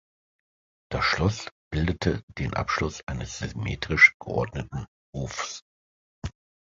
Das Schloss bildete den Abschluss eines symmetrisch geordneten Hofs.